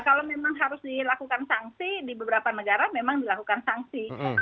kalau memang harus dilakukan sanksi di beberapa negara memang dilakukan sanksi